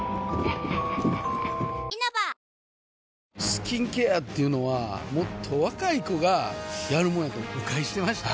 スキンケアっていうのはもっと若い子がやるもんやと誤解してました